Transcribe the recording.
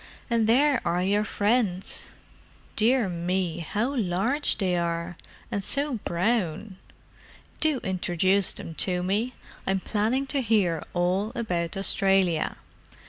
And there are your friends! Dear me, how large they are, and so brown! Do introduce them to me: I'm planning to hear all about Australia.